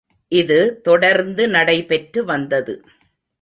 இது தொடர்ந்து நடைபெற்று வந்தது.